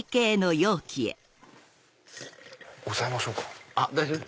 押さえましょうか？